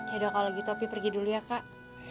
yaudah kalo gitu api pergi dulu ya kak